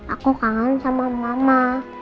aku kangen sama mama